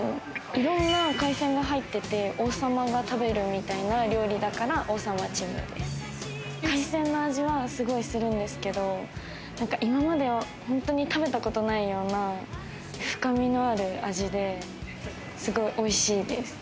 いろんな海鮮が入ってて、王様が食べる料理みたいだから王様チム、海鮮の味がすごいするんですけれど、今まで食べたことがないような深みのある味ですごいおいしいです。